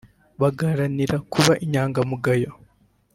bagaharanira kuba inyangamugayo